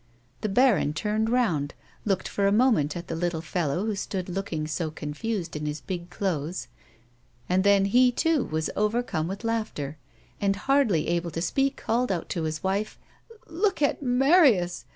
The baron turned round, looked for a moment at the little fellow who stood looking so confused in 86 A WOMAN'S LIFE. his big clothes, and then he too was overcome with laughter, and, hardly able to speak, called out to his wife :" Lo lo look at Ma Marius